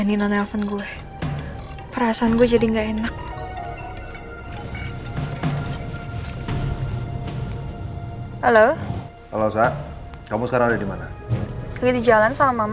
nih non elfon gue perasaan gue jadi enggak enak halo halo kamu sekarang di mana di jalan sama